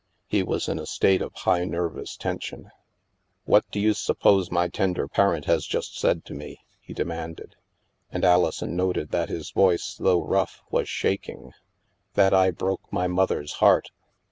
He was in a state of high nervous tension. "What do you suppose my tender parent has just said to me ?" he demanded, and Alison noted that his voice, though rough, was shaking. " That I broke my mother's heart.